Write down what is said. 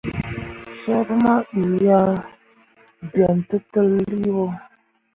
Soor mah ɓii ah bem tǝtǝlliwo.